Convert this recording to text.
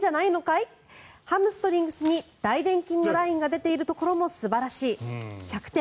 いハムストリングスに大殿筋のラインが出ているところも素晴らしい１００点。